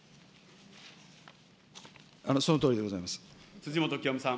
辻元清美さん。